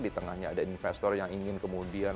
di tengahnya ada investor yang ingin kemudian